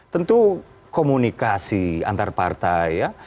tentu komunikasi antar partai